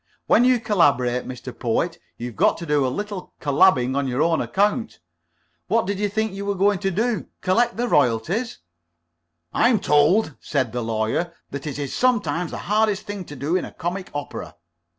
When you collaborate, Mr. Poet, you've got to do a little colabbing on your own account. What did you think you were to do collect the royalties?" "I'm told," said the Lawyer, "that that is sometimes the hardest thing to do in a comic opera."